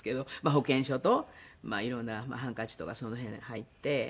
保険証といろんなハンカチとかその辺入って。